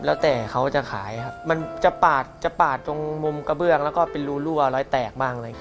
แล้วแต่เขาจะขายครับมันจะปาดจะปาดตรงมุมกระเบื้องแล้วก็เป็นรูรั่วรอยแตกบ้างอะไร